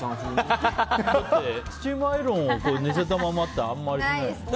スチームアイロンを乗せたままってあんまりない。